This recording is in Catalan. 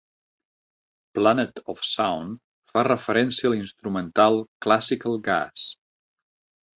"Planet of Sound" fa referència a l'instrumental "Classical Gas".